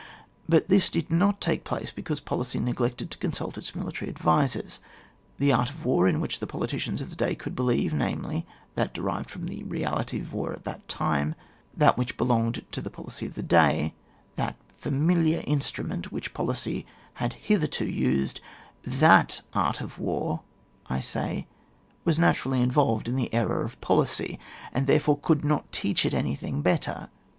But this did not take place because policy neglected to considt its military advisers. That art of war in which the politician of the day could believe, namely, that derived from the reality of war at that time, that which belonged to the policy of the day, that familiar instru ment which policy had hitherto used — that art of war, I say, was naturally involved in the error of policy, and there fore could not teach it anything better.